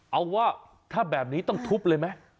เอาว่าถ้าแบบนี้ต้องทุบเลยไหม